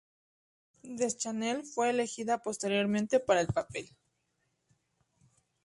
Deschanel fue elegida posteriormente para el papel.